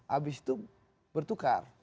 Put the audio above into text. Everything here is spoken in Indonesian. habis itu bertukar